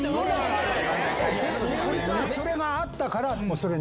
それがあったから。